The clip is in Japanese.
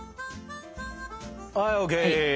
はいＯＫ。